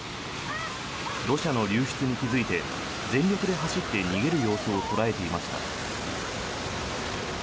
土砂の流出に気付いて全力で走って逃げる様子を捉えていました。